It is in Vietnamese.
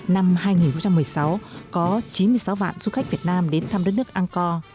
năm hai nghìn một mươi sáu có chín mươi sáu vạn du khách việt nam đến thăm đất nước an core